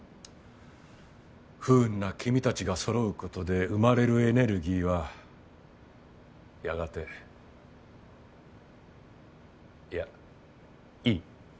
不運な君たちが揃うことで生まれるエネルギーはやがていやいい。